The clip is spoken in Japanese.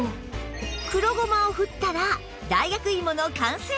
黒ごまをふったら大学芋の完成！